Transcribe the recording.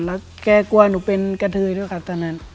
แล้วแกกลัวหนูเป็นกระเทยด้วยค่ะตอนนั้น